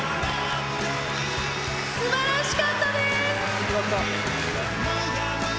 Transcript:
すばらしかったです！